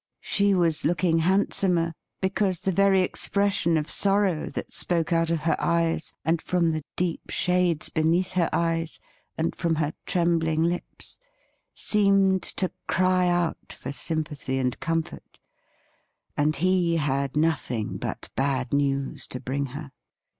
She was looking handsomer because the very expres sion of sorrow that spoke out of her eyes and from the deep shades beneath her eyes and from her trembling lips seemed to cry out for sympathy and comfort, and he had nothing but bad news to bring her.